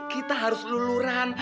kita harus luluran